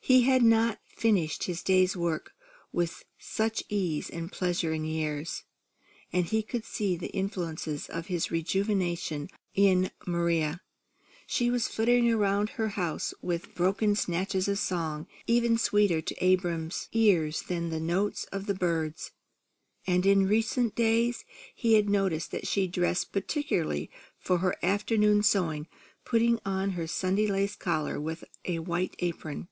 He had not finished his day's work with such ease and pleasure in years; and he could see the influence of his rejuvenation in Maria. She was flitting around her house with broken snatches of song, even sweeter to Abram's ears than the notes of the birds; and in recent days he had noticed that she dressed particularly for her afternoon's sewing, putting on her Sunday lace collar and a white apron.